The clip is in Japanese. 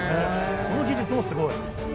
その技術もすごい。